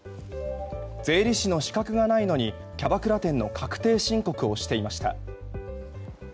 税理士の資格がないのにキャバクラ店ての確定申告をしていました。